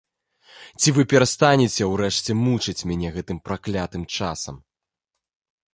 Ці вы перастанеце ўрэшце мучыць мяне гэтым праклятым часам?